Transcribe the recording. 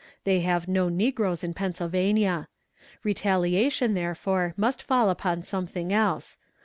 They have no negroes in Pennsylvania. Retaliation, therefore, must fall upon something else.